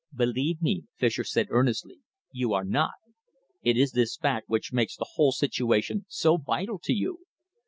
"Believe me," Fischer said earnestly, "you are not. It is this fact which makes the whole situation so vital to you.